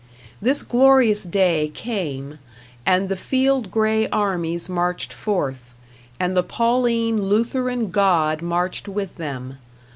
This glorious day came, and the field gray armies marched forth, and the Pauline Lutheran God marched with them.